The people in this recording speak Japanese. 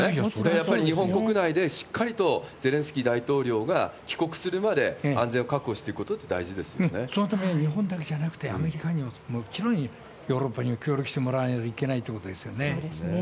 やっぱり日本国内で、しっかりとゼレンスキー大統領が帰国するまで安全を確保していくそのために、日本だけじゃなくて、アメリカにも、もちろんヨーロッパにも協力してもらわないそうですね。